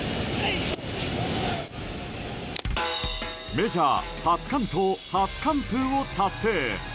メジャー初完投、初完封を達成。